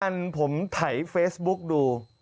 อันผมถ่ายเฟซบุ๊กดู